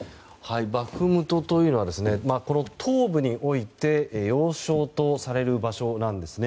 バフムトというのは東部において要衝とされる場所なんですね。